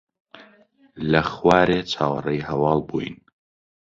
لە خوارێ چاوەڕێی هەواڵ بووین.